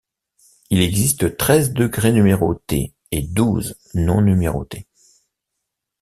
Il existe treize degrés numérotés et douze non numérotés.